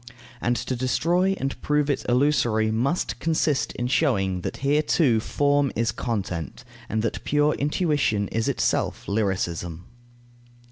And to destroy and prove it illusory must consist in showing that here too form is content, and that pure intuition is itself lyricism.